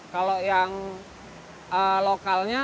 kalau yang lokalnya